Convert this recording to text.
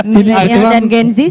milenial dan genzis silahkan